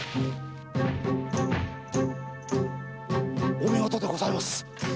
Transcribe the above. お見事でございます。